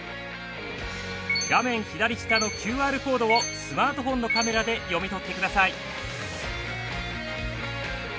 画面左下のＱＲコードをスマートフォンのカメラで読み取ってください。